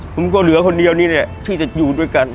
มันก็เหลือคนเดียวนี่แหละที่จะอยู่ด้วยกัน